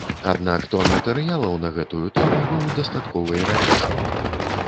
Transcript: Аднак тон матэрыялаў на гэтую тэму быў дастаткова іранічны.